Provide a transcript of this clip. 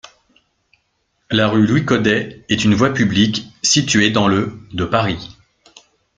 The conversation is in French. La rue Louis-Codet est une voie publique située dans le de Paris.